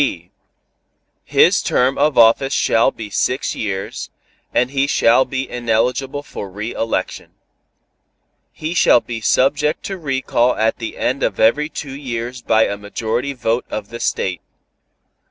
(b) His term of office shall be six years, and he shall be ineligible for re election. He shall be subject to recall at the end of every two years by a majority vote of the State.